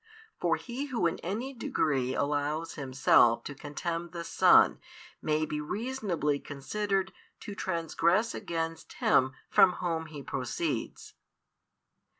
For he who in any degree allows himself to contemn the Son may be reasonably considered to transgress against Him from Whom He proceeds.